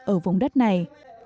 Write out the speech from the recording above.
ở vùng đất này